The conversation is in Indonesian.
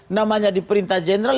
namanya di perintah jenderal